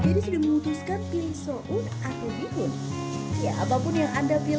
jadi sudah memutuskan pilih soun atau bihun